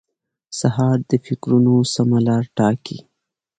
سهار د فکرونو سمه لار ټاکي.